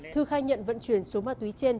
thư khai nhận vận chuyển số ma túy trên